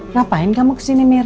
ngapain kamu ke sini mir